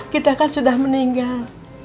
kita kan sudah meninggal